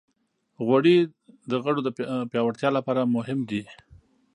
غوړې د غړو د پیاوړتیا لپاره مهمې دي.